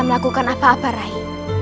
melakukan apa apa rai